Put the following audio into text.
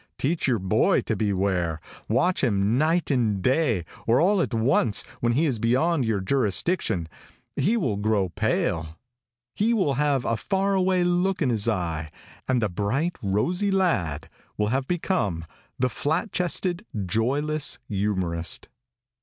Teach your boy to beware. Watch him night and day, or all at once, when he is beyond your jurisdiction, he will grow pale. He will have a far away look in his eye, and the bright, rosy lad will have become the flatchested, joyless youmorist.